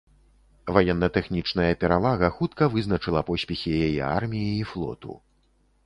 Ваенна-тэхнічная перавага хутка вызначыла поспехі яе арміі і флоту.